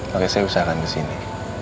makanya saya usahakan kesini